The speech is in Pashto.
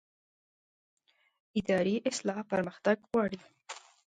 اداري اصلاح پرمختګ غواړي